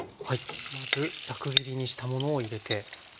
まずザク切りにしたものを入れて。